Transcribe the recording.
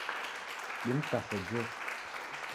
Dimkase Jesu.